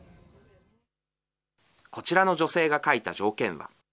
こちらの女性が書いた条件は。